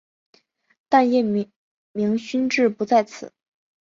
但叶明勋志不在此。